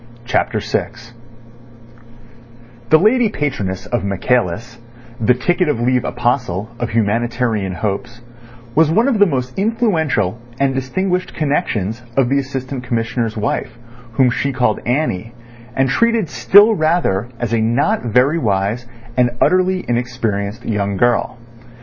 CHAPTER VI The lady patroness of Michaelis, the ticket of leave apostle of humanitarian hopes, was one of the most influential and distinguished connections of the Assistant Commissioner's wife, whom she called Annie, and treated still rather as a not very wise and utterly inexperienced young girl.